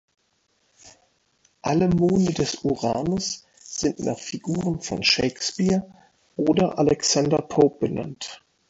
Alle Monde des Uranus sind nach Figuren von Shakespeare oder Alexander Pope benannt.